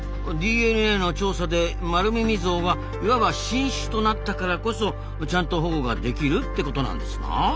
ＤＮＡの調査でマルミミゾウがいわば新種となったからこそちゃんと保護ができるってことなんですな。